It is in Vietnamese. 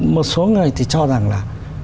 một số người thì cho rằng là